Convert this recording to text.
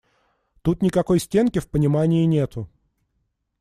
Тут никакой стенки в понимании нету.